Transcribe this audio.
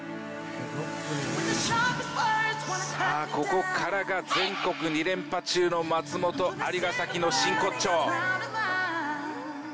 ここからが全国２連覇中の松本蟻ヶ崎の真骨頂。